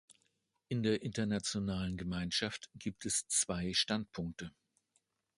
In der internationalen Gemeinschaft gibt es zwei Standpunkte.